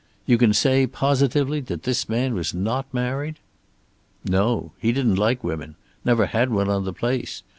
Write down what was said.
You can say positively that this man was not married?" "No. He didn't like women. Never had one on the place.